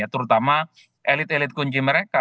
terutama elit elit kunci mereka